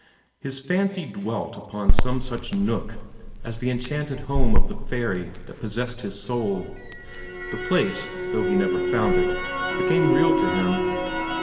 His fancy dwelt upon some such nook as the enchanted home of the fairy that possessed his soul. The place, though he never found it, became real to him.